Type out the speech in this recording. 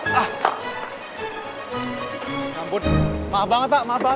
ya ampun maaf banget pak